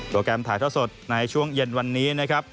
แกรมถ่ายท่อสดในช่วงเย็นวันนี้นะครับ